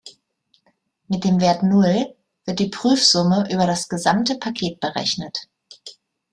Mit dem Wert Null wird die Prüfsumme über das gesamte Paket berechnet.